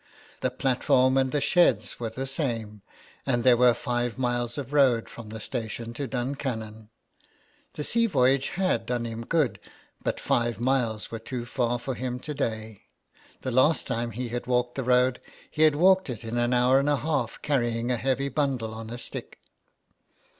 The platform and the sheds were the same, and there were five miles of road from the station to Duncannon. The sea voyage had done him good, but five miles were too far for him to day ; the last time he had walked the road, he had walked it in an hour and a half, carrying a heavy bundle on a stick.